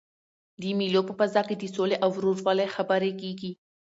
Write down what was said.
د مېلو په فضا کښي د سولي او ورورولۍ خبري کېږي.